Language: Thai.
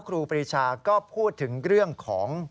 ครูปรีชาก็พูดถึงเรื่องของ